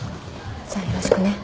じゃあよろしくね。